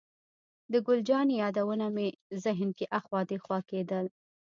د ګل جانې یادونه مې ذهن کې اخوا دېخوا کېدل.